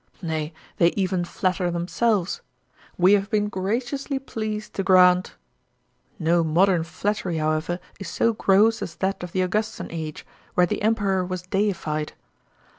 Nay, they even flatter themselves; "we have been graciously pleased to grant." No modern flattery, however, is so gross as that of the Augustan age, where the Emperour was deified.